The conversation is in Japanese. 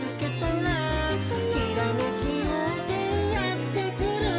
「ひらめきようせいやってくる」